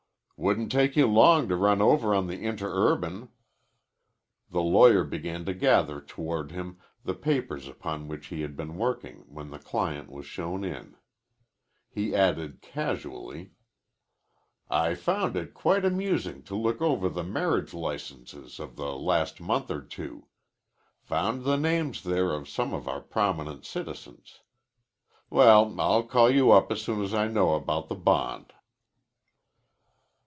"Wouldn't take you long to run over on the interurban." The lawyer began to gather toward him the papers upon which he had been working when the client was shown in. He added casually: "I found it quite amusing to look over the marriage licenses of the last month or two. Found the names there of some of our prominent citizens. Well, I'll call you up as soon as I know about the bond."